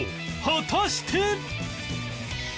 果たして？